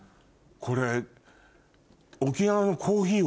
これ。